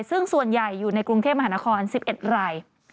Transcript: ซึ่งส่วนใหญ่อยู่ในกรุงเทพมหานคร๑๑ราย